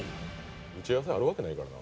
打ち合わせあるわけないからな。